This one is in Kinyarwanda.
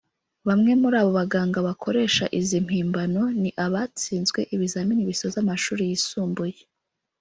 Bamwe muri abo baganga bakoresha iz’impimbano ni abatsinzwe ibizamini bisoza amashuri yisumbuye